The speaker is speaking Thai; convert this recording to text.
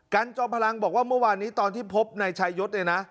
จอมพลังบอกว่าเมื่อวานนี้ตอนที่พบนายชายศเนี่ยนะ